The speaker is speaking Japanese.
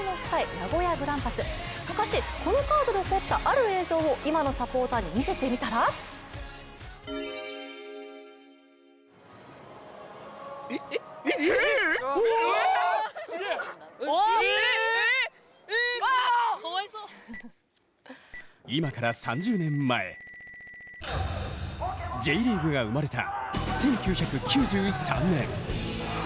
名古屋グランパス昔このカードで起こった映像を今のサポーターに見せてみたら今から３０年前Ｊリーグが生まれた１９９３年。